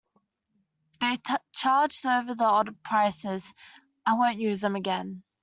They charged over-the-odds prices, I won't use them again.